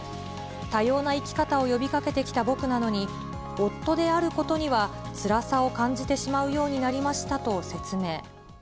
多様な生き方を呼びかけてきた僕なのに、夫であることには、つらさを感じてしまうようになりましたと説明。